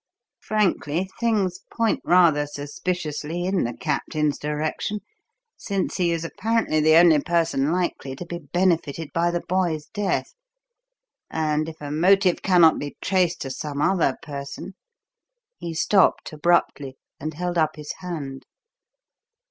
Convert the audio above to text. Frankly, things point rather suspiciously in the captain's direction, since he is apparently the only person likely to be benefited by the boy's death, and if a motive cannot be traced to some other person " He stopped abruptly and held up his hand.